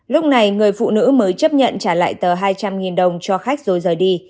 lúc này người phụ nữ mới chấp nhận trả lại tờ hai trăm linh đồng cho khách rồi rời đi